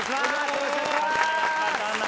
よろしくお願いします。